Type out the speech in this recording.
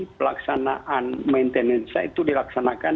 pelaksanaan maintenance nya itu dilaksanakan